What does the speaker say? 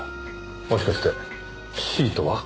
もしかしてシートは？